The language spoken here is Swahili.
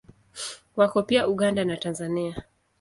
Wako pia Uganda na Tanzania.